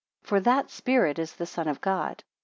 For that Spirit is the Son of God.